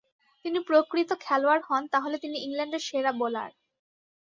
তিনি প্রকৃত খেলোয়াড় হন তাহলে তিনি ইংল্যান্ডের সেরা বোলার।